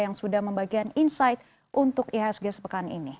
yang sudah membagikan insight untuk ihsg sepekan ini